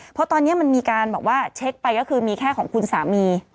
เพราะตอนนี้มันมีการบอกว่าเช็คไปก็คือมีแค่ของคุณสามี